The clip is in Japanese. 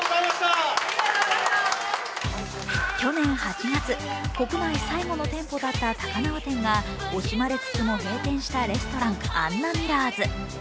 去年８月、国内最後の店舗だった高輪店が惜しまれつつも閉店したレストラン・アンナミラーズ。